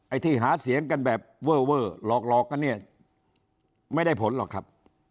ที่หาเสียงกันแบบเวอร์เวอร์หลอกกันเนี่ยไม่ได้ผลหรอกครับ